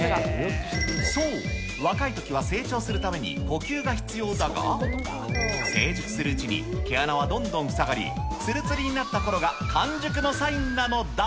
そう、若いときは成長するために、呼吸が必要だが、成熟するうちに毛穴はどんどん塞がり、つるつるになったころが完熟のサインなのだ。